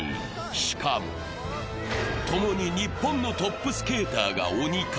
しかも、共に日本のトップスケーターが鬼化。